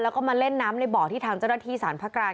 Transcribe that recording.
แล้วก็มาเล่นน้ำในบ่อที่ทางเจ้าหน้าที่สารพระกลาง